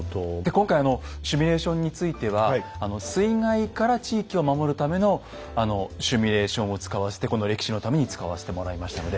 今回シミュレーションについては水害から地域を守るためのシミュレーションを使わせてこの歴史のために使わせてもらいましたので。